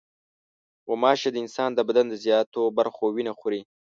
غوماشې د انسان د بدن د زیاتو برخو وینه خوري.